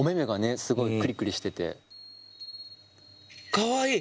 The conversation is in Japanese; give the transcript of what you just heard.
かわいい。